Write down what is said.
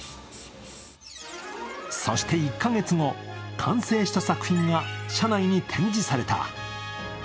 そして１カ月後、完成した作品が社内に展示された。